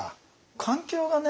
環境がね